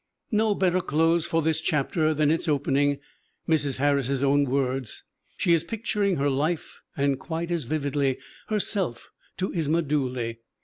No better close for this chapter than its opening Mrs. Harris's own words! She is picturing her life and quite as vividly herself to Isma Dooley.